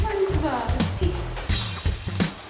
sakit banget sih